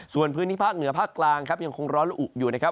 ส่วนพื้นที่ภาคเหนือภาคกลางครับยังคงร้อนละอุอยู่นะครับ